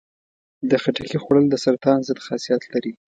د خټکي خوړل د سرطان ضد خاصیت لري.